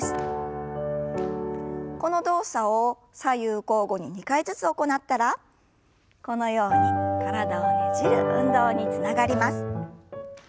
この動作を左右交互に２回ずつ行ったらこのように体をねじる運動につながります。